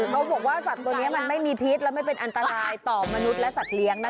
เขาบอกว่าสัตว์ตัวนี้มันไม่มีพิษและไม่เป็นอันตรายต่อมนุษย์และสัตว์เลี้ยงนะคะ